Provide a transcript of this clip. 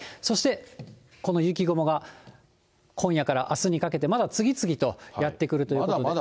そしてこの雪雲が今夜からあすにかけて、まだ次々とやって来るということで。